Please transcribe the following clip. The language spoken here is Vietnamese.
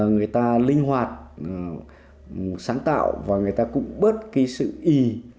người ta linh hoạt sáng tạo và người ta cũng bớt cái sự y